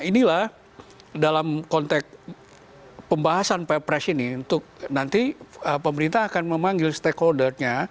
inilah dalam konteks pembahasan perpres ini untuk nanti pemerintah akan memanggil stakeholder nya